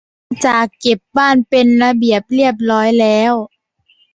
หลังจากเก็บบ้านเป็นระเบียบเรียบร้อยแล้ว